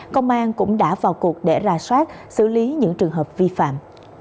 công an cũng đã vào cuộc để ra soát xử lý những trường hợp vi phạm